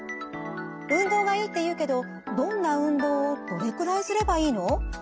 運動がいいっていうけどどんな運動をどれくらいすればいいの？